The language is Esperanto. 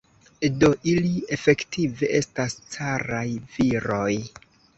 Do ili efektive estas caraj viroj.